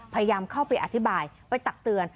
พยายามเข้าไปอธิบายไปตักเตือน